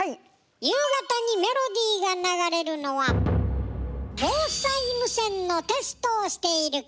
夕方にメロディーが流れるのは防災無線のテストをしているから。